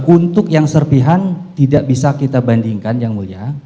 untuk yang serpihan tidak bisa kita bandingkan yang mulia